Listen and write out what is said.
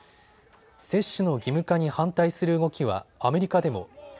接種の義務化に反対する動きはアメリカでも。